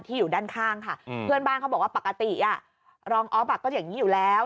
อยู่ด้านข้างค่ะเพื่อนบ้านเขาบอกว่าปกติรองออฟก็อย่างนี้อยู่แล้ว